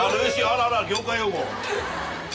あらあら業界用語。